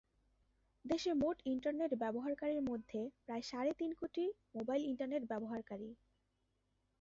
দেশে মোট ইন্টারনেট ব্যবহারকারীর মধ্যে প্রায় সাড়ে তিন কোটি মোবাইল ইন্টারনেট ব্যবহারকারী।